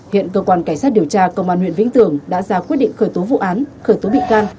hiện cơ quan cảnh sát điều tra công an huyện vĩnh tường đã ra quyết định khởi tố vụ án khởi tố bị can